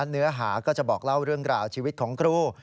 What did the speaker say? เนื้อหาก็จะบอกเล่าเรื่องราวชีวิตของครู